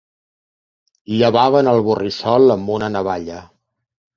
Llevaven el borrissol amb una navalla.